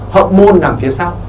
hậu môn nằm phía sau